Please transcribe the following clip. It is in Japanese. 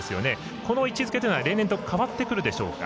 この位置づけは例年と変わってくるでしょうか。